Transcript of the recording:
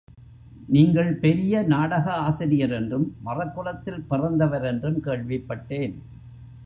நீங்கள் பெரிய நாடகாசிரியரென்றும், மறக் குலத்தில் பிறந்தவரென்றும் கேள்விப் பட்டேன்.